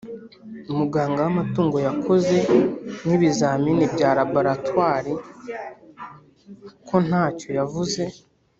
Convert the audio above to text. Muganga w’amatungo yakoze n’ibizamini bya laboratwari ko ntacyo yavuze